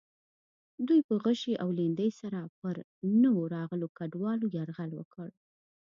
دوی په غشي او لیندۍ سره پر نویو راغلو کډوالو یرغل وکړ.